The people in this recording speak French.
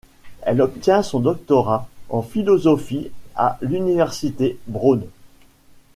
Elle obtient son doctorat en Philosophie à l'Université Brown.